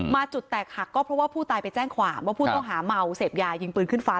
จุดแตกหักก็เพราะว่าผู้ตายไปแจ้งความว่าผู้ต้องหาเมาเสพยายิงปืนขึ้นฟ้า